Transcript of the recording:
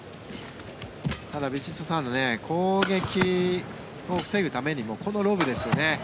ただ、ヴィチットサーンの攻撃を防ぐためにもこのロブですよね。